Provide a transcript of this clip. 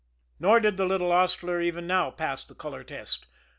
Nor did the little hostler even now pass the color test.